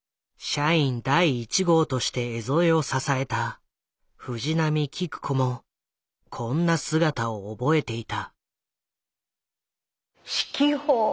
社員第１号として江副を支えた藤波喜久子もこんな姿を覚えていた。